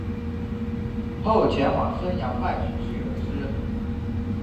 后前往旌阳拜许逊为师。